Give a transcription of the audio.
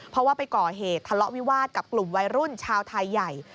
เพราะว่าไปก่อเหตุทะเลาะวิวาสกับกลุ่มวัยรุ่นชาวไทยใหญ่